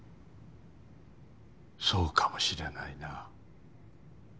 そうかもしれないな。